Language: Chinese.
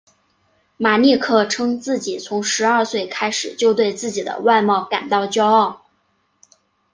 马利克称自己从十二岁开始就对自己的外貌感到骄傲。